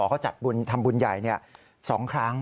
เขาจัดทำบุญใหญ่๒ครั้ง